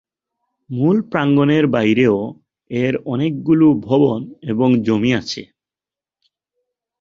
মূল প্রাঙ্গণের বাইরেও এর অনেকগুলো ভবন এবং জমি আছে।